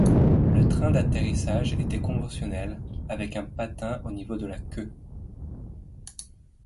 Le train d'atterrissage était conventionnel, avec un patin au niveau de la queue.